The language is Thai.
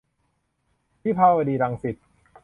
วิภาวดี-รังสิต